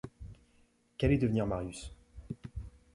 Qu’allait devenir Marius ?